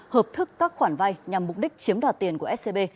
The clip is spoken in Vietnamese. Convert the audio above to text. hợp thức các khoản vai nhằm mục đích chiếm đoạt tiền của scb